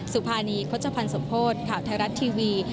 สุภานีพจพรรณสมโพธข่าวไทยรัฐทีวี